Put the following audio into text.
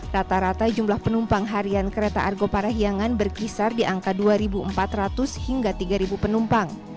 rata rata jumlah penumpang harian kereta argo parahiangan berkisar di angka dua empat ratus hingga tiga penumpang